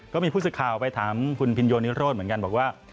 ก็มีผู้สื่อข่าวไปถามคุณพินโยนิโรธเหมือนกันบอกว่า